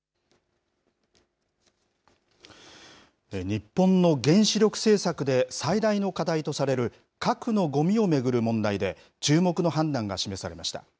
日本の原子力政策で最大の課題とされる核のごみを巡る問題で、注目の判断が示されました。